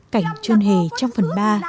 cảnh trôn hề trong phần ba